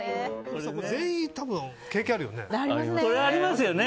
全員、多分経験あるよね。